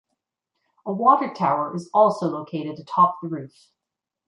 A water tower is also located atop the roof.